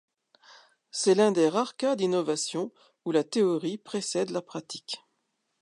C'est l'un rare cas d’innovation où la théorie précède la pratique.